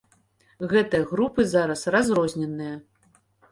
Гэтыя групы зараз разрозненыя.